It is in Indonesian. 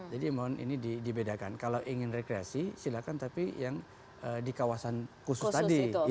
mohon ini dibedakan kalau ingin rekreasi silakan tapi yang di kawasan khusus tadi